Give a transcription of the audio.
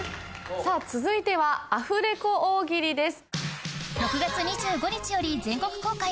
さぁ続いてはアフレコ大喜利です。